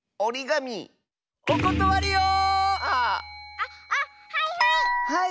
あっあはいはい！